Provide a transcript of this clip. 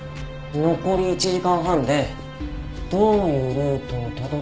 残り１時間半でどういうルートをたどって。